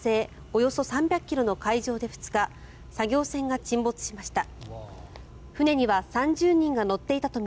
およそ３００ｋｍの海上で２日作業船が沈没しました。